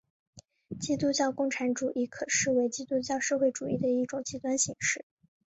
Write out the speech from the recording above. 基督教共产主义可视为基督教社会主义的一种极端形式。